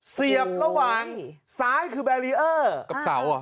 เสียบระหว่างซ้ายคือแบรีเออร์